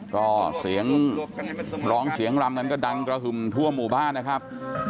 ก็เสียงร้องเสียงรำกันก็ดังกระหึ่มทั่วหมู่บ้านนะครับ